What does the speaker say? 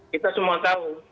kita semua tahu